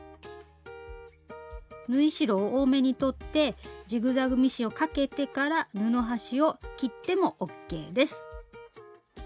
縫い代を多めに取ってジグザグミシンをかけてから布端を切ってもＯＫです。